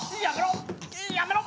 やめろ！